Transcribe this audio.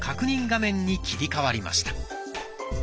画面に切り替わりました。